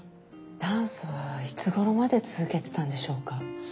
ダンスはいつ頃まで続けてたんでしょうか？